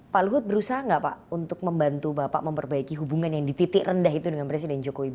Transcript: pak luhut berusaha nggak pak untuk membantu bapak memperbaiki hubungan yang di titik rendah itu dengan presiden jokowi